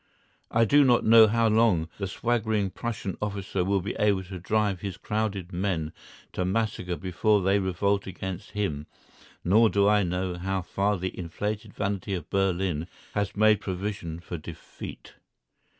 I do not know how long the swaggering Prussian officer will be able to drive his crowded men to massacre before they revolt against him, nor do I know how far the inflated vanity of Berlin has made provision for defeat.